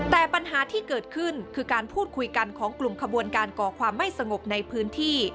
แต่ปัญหาที่เกิดขึ้นคือการพูดคุยกันของกลุ่มขบวนการก่อความไม่สงบในพื้นที่